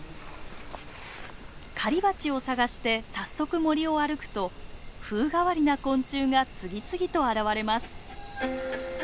狩りバチを探して早速森を歩くと風変わりな昆虫が次々と現れます。